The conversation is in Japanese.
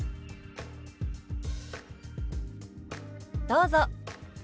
どうぞ。